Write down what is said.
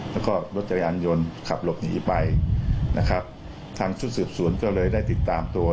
รถทรายละยกขับหลกหนีไปทางชุดสืบศูนย์ก็เลยได้ติดตามตัว